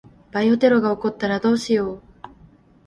バイオテロが起こったらどうしよう。